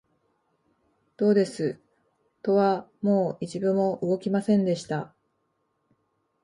どうです、戸はもう一分も動きませんでした